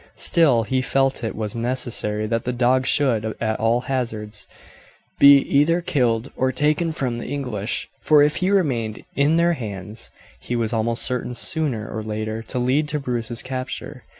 Still, he felt it was necessary that the dog should, at all hazards, be either killed or taken from the English, for if he remained in their hands he was almost certain sooner or later to lead to Bruce's capture.